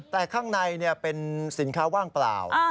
แต่ข้างในเป็นสินค้าว่างเปล่า